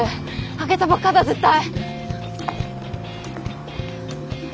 あげたばっかだ絶対。